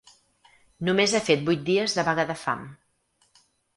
Només he fet vuit dies de vaga de fam.